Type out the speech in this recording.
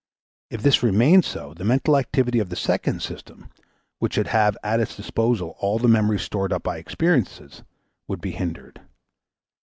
If this remained so the mental activity of the second system, which should have at its disposal all the memories stored up by experiences, would be hindered.